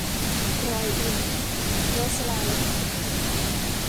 รอยอินทร์ - โรสลาเรน